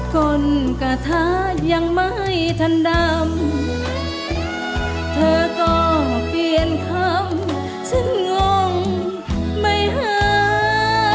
คนกระทะยังไม่ทันดำเธอก็เปลี่ยนคำฉันงงไม่หา